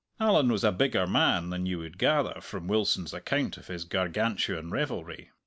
Allan was a bigger man than you would gather from Wilson's account of his Gargantuan revelry.